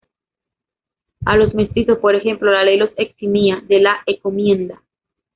A los mestizos, por ejemplo, la ley los eximía de la encomienda.